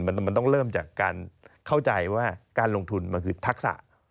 มันต้องเริ่มจากการเข้าใจว่าการลงทุนมันคือทักษะ